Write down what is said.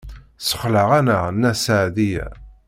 Tessexleɛ-aneɣ Nna Seɛdiya.